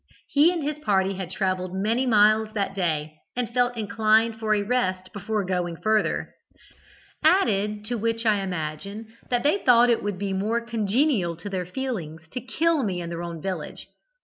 He and his party had travelled many miles that day, and felt inclined for a rest before going further; added to which I imagine that they thought it would be more congenial to their feelings to kill me in their own village.